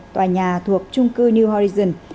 tòa nhà thuộc trung cư new horizons